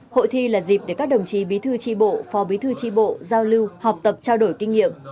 hội thi là dịp để các đồng chí bí thư tri bộ phó bí thư tri bộ giao lưu học tập trao đổi kinh nghiệm